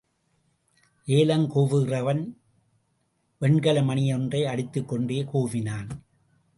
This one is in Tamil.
ஏலங் கூவுகிறவன், வெண்கல மணியொன்றை அடித்துக் கொண்டே கூவினான்.